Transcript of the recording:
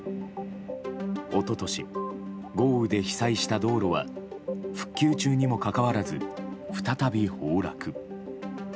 一昨年、豪雨で被災した道路は復旧中にもかかわらず再び崩落。